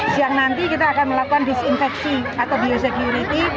siang nanti kita akan melakukan disinfeksi atau biosecurity